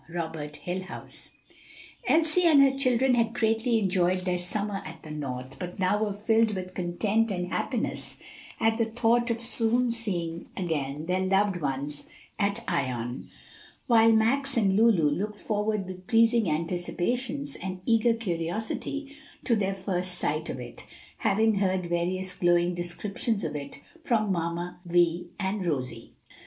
Robert Hillhouse. Elsie and her children had greatly enjoyed their summer at the North, but now were filled with content and happiness at the thought of soon seeing again their loved home at Ion, while Max and Lulu looked forward with pleasing anticipations and eager curiosity to their first sight of it, having heard various glowing descriptions of it from "Mamma Vi" and Rosie.